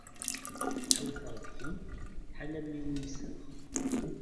Ḥawteɣ deg-m ḥala mi uyseɣ.